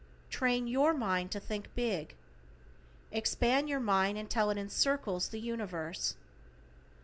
Train your mind to think big. Expand your mind until it encircles the universe.